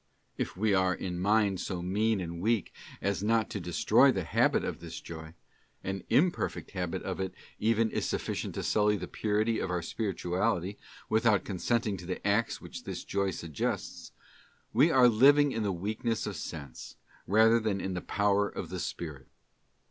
If we are in mind so mean and weak as not to destroy the habit of this joy—an imperfect habit of it even is sufficient to sully the purity of our spirituality, without consenting to the acts which this joy suggests—we are living in the weakness of sense rather than in the power of the spirit.